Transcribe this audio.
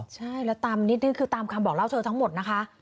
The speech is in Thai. ใช่แล้วตามนิดนึงคือตามคำบอกเล่าเธอทั้งหมดนะคะ